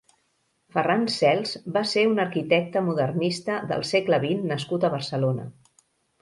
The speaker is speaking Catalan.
Ferran Cels va ser un arquitecta modernista del segle vint nascut a Barcelona.